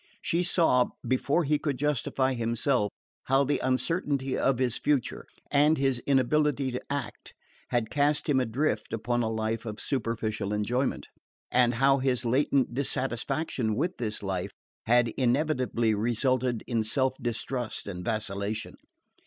She saw, before he could justify himself, how the uncertainty of his future, and his inability to act, had cast him adrift upon a life of superficial enjoyment; and how his latent dissatisfaction with this life had inevitably resulted in self distrust and vacillation.